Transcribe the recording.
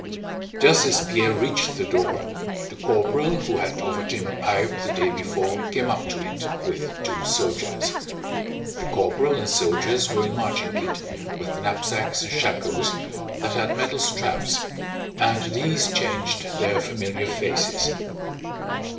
Just as Pierre reached the door, the corporal who had offered him a pipe the day before came up to it with two soldiers. The corporal and soldiers were in marching kit with knapsacks and shakos that had metal straps, and these changed their familiar faces.